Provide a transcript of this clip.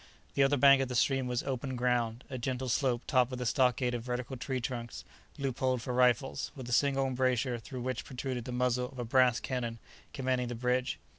The other bank of the stream was open ground—a gentle slope topped with a stockade of vertical tree trunks, loopholed for rifles, with a single embrasure through which protruded the muzzle of a brass cannon commanding the bridge.